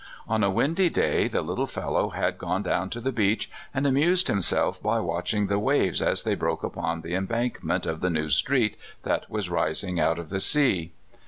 On a windy day the little fellow^ had gone down to the beach, and amused himself by watching the waves as they broke upon the em bankment of the new street that was rising out of the sea.